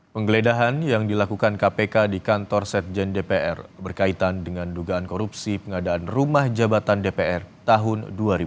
penggeledahan yang dilakukan kpk di kantor sekjen dpr berkaitan dengan dugaan korupsi pengadaan rumah jabatan dpr tahun dua ribu dua puluh